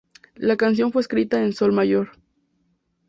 La canción fue escrita en Sol mayor.